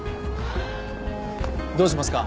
どうしますか？